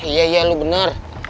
iya iya lu bener